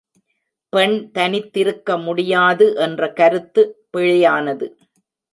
பெண் தனித்திருக்க முடியாது என்ற கருத்து பிழையானது.